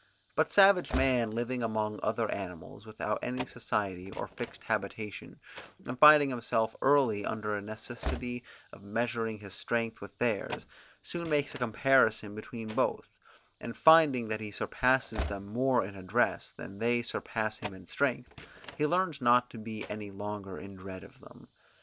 But savage man living among other animals without any society or fixed habitation, and finding himself early under a necessity of measuring his strength with theirs, soon makes a comparison between both, and finding that he surpasses them more in address, than they surpass him in strength, he learns not to be any longer in dread of them.